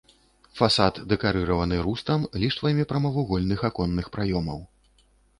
Фасад дэкарыраваны рустам, ліштвамі прамавугольных аконных праёмаў.